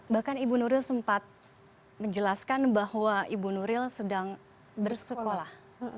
bahkan ibu nuril sempat menjelaskan bahwa ibu nuril sedang bersekolah